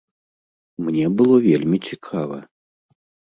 Мне было вельмі цікава.